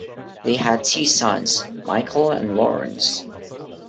They had two sons, Michael and Lawrence.